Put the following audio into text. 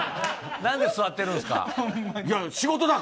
なんで座ってるんですか。